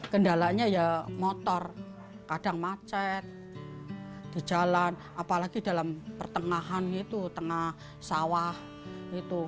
kendalanya ya motor kadang macet di jalan apalagi dalam pertengahan gitu tengah sawah gitu